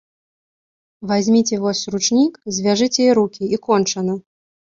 Вазьміце вось ручнік, звяжыце ёй рукі, і кончана.